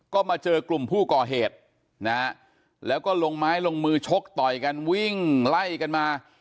ก็มาเจอกลุ่มผู้ก่อเหตุนะฮะแล้วก็ลงไม้ลงมือชกต่อยกันวิ่งไล่กันมา